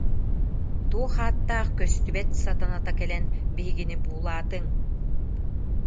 Туох ааттаах көстүбэт сатаната кэлэн биһигини буулаатыҥ